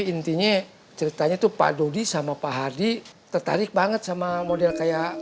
nantinya ceritanya itu pak lodi sama pak hardy tertarik banget sama model kayak